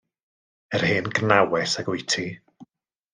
Yr hen gnawes ag wyt ti.